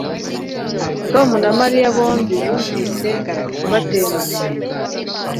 Tom na Mariya bombi bumvise batengushye